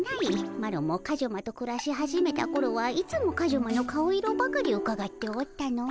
マロもカジュマとくらし始めたころはいつもカジュマの顔色ばかりうかがっておったのう。